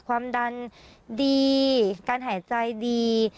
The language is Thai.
ความดันดีการหายใจดี